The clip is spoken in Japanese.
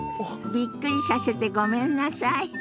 びっくりさせてごめんなさい。